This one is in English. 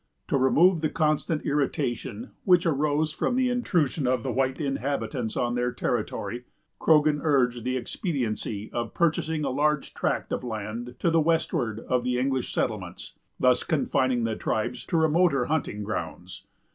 To remove the constant irritation which arose from the intrusion of the white inhabitants on their territory, Croghan urged the expediency of purchasing a large tract of land to the westward of the English settlements; thus confining the tribes to remoter hunting grounds.